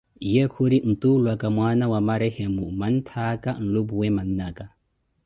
Ye khuri ntulwaka mwana wa marehemo manttaka nlu'puwe man'naka